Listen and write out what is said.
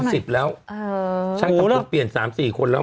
ดีน่ะกินของออร์แกนิคก็สงสารผู้ประกอบการไม่อยากไปซ้ำเติมอะไรแข็งแด๋ว